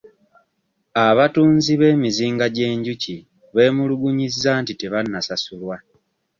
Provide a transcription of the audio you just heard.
Abatunzi b'emizinga gy'enjuki beemulugunyizza nti tebannasasulwa.